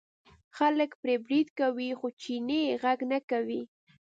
خلک پرې برید کوي خو چینی غږ نه کوي.